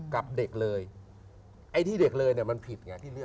กลับเด็กเลยที่เลือกเด็กเลยมันผิดไง